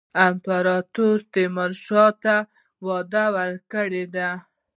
امپراطور تیمورشاه ته وعده ورکړې ده.